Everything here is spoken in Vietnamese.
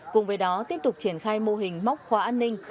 cùng với đó tiếp tục triển khai mô hình móc khóa an ninh